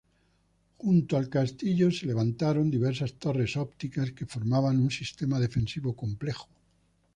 Junto al castillo, se levantaron diversas torres ópticas que formaban un sistema defensivo complejo.